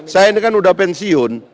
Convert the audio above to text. saya ini kan udah pensiun